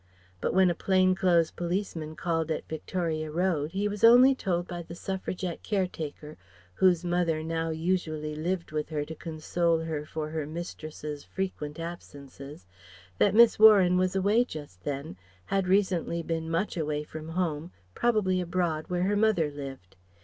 But when a plain clothes policeman called at Victoria Road he was only told by the Suffragette caretaker (whose mother now usually lived with her to console her for her mistress's frequent absences) that Miss Warren was away just then, had recently been much away from home, probably abroad where her mother lived.